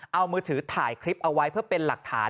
เอามือถือถ่ายคลิปเอาไว้เพื่อเป็นหลักฐาน